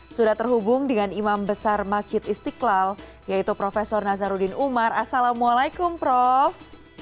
sudah terhubung dengan imam besar masjid istiqlal yaitu prof nazarudin umar assalamualaikum prof